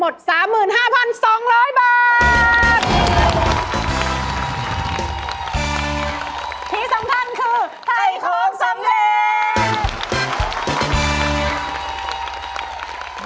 สมเร็จ